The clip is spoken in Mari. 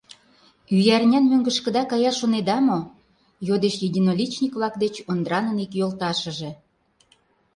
— Ӱярнян мӧҥгышкыда каяш шонеда мо? — йодеш единоличник-влак деч Ондранын ик йолташыже.